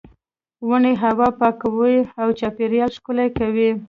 ونې هوا پاکوي او چاپیریال ښکلی کوي.